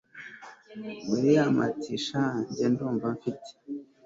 william ati sha njye ndumva mfite